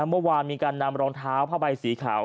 เมื่อวานมีการนำรองเท้าผ้าใบสีขาว